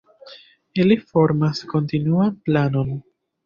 Ili formas kontinuan planon.